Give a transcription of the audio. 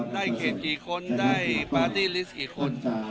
เขตกี่คนได้ปาร์ตี้ลิสต์กี่คน